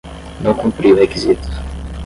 Não cumpri o requisito